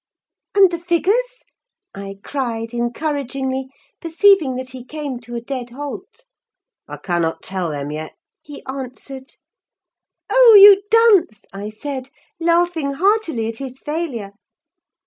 "'And the figures?' I cried, encouragingly, perceiving that he came to a dead halt. "'I cannot tell them yet,' he answered. "'Oh, you dunce!' I said, laughing heartily at his failure.